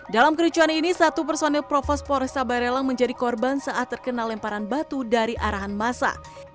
dalam kericuan ini satu personil provos polresa barelang menjadi korban saat terkena lemparan batu dari arahan massa